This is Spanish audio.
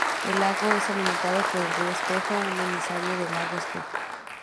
El lago es alimentado por el río Espejo, un emisario del lago Espejo.